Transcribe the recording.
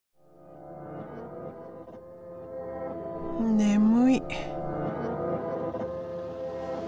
眠い。